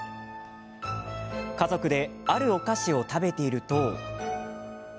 家族であるお菓子を食べていると。